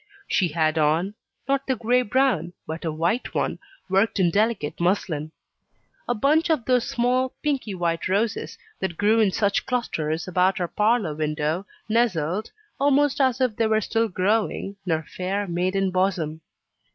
She had on not the grey gown, but a white one, worked in delicate muslin. A bunch of those small pinky white roses that grew in such clusters about our parlour window nestled, almost as if they were still growing, in her fair maiden bosom.